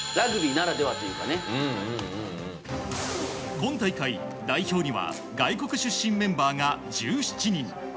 今大会、代表には外国出身メンバーが１７人。